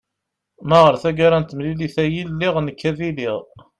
ma ɣer tagara n temlilit-agi lliɣ nekk ad iliɣ